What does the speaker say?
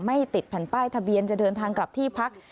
ติดแผ่นป้ายทะเบียนจะเดินทางกลับที่พัก